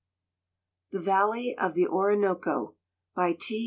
THE VALLEY OF THE ORINOCO By T.